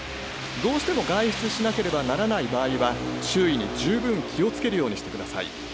どうしても外出しなければならない場合は、周囲に十分気をつけるようにしてください。